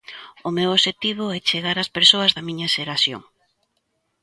O meu obxectivo é chegar ás persoas da miña xeración.